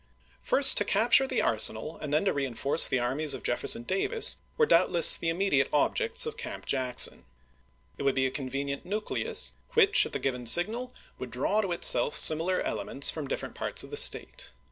First to capture the arsenal and then to reenforce the armies of Jefferson Davis were doubtless the immediate objects of Camp Jackson. It would be a convenient nucleus which at the given signal would draw to itself similar elements from different parts of the State.